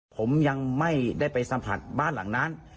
ผมยังไม่ได้ไปสัมผัสบ้านหลังนั้น